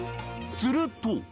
すると。